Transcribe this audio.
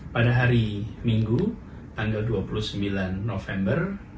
pada hari minggu tanggal dua puluh sembilan november